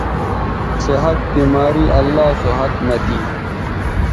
صحت، بیماری اللہ سو ھت مہ تھی